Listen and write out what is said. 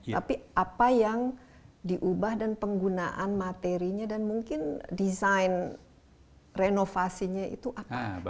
tapi apa yang diubah dan penggunaan materinya dan mungkin desain renovasinya itu apa